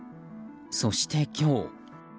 そして今日。